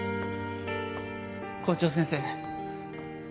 校長先生。